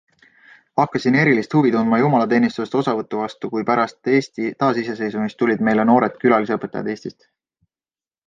Hakkasin erilist huvi tundma jumalateenistustest osavõtu vastu, kui pärast Eesti taasiseseisvumist tulid meile noored külalisõpetajad Eestist.